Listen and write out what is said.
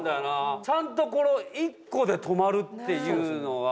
ちゃんとこの１個で止まるっていうのが。